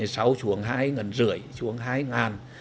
sau xuống hai ngân rưỡi xuống hai ngàn